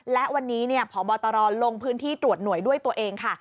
และวันนี้พบตรลงพื้นที่ตรวจหน่วยด้วยตัวเองค่ะ